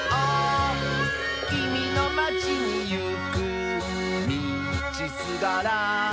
「きみのまちにいくみちすがら」